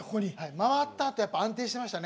回ったあと安定してましたね。